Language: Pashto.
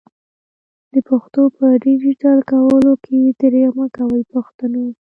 د پښتو په ډيجيټل کولو کي درېغ مکوئ پښتنو!